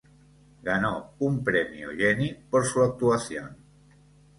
Ganó un Premio Genie por su actuación.